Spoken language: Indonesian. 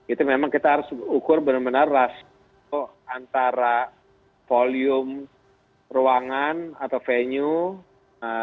itu memang kita harus ukur benar benar rasio antara volume ruangan atau venue